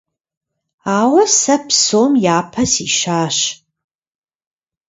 Ауэ сэ псом япэ сищащ.